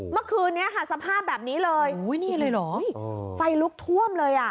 เมื่อคืนนี้สภาพแบบนี้เลยไฟลุกท่วมเลย